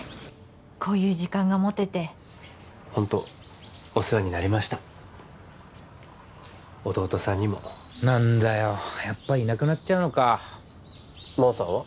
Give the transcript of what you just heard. こういう時間が持ててホントお世話になりました弟さんにも何だよやっぱいなくなっちゃうのかマーさんは？